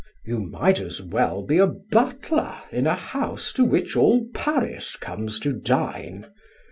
You might as well be a butler in a house to which all Paris comes to dine.